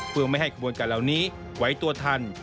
เพื่อไม่ให้ขบวนการเหล่านี้ไว้ตัวทัน